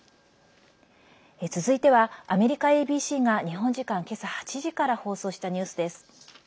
続いてはアメリカＡＢＣが日本時間、今朝８時から放送したニュースです。